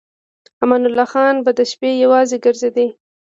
امان الله خان به د شپې یوازې ګرځېده.